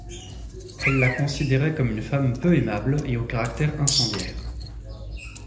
Elles la considéraient comme une femme peu aimable et au caractère incendiaire.